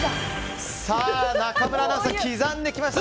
中村アナウンサー刻んできました。